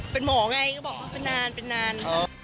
เป็นหมอไงก็บอกว่าเป็นนานเป็นนาน